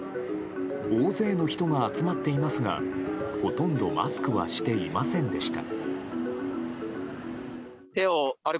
大勢の人が集まっていますがほとんどマスクはしていませんでした。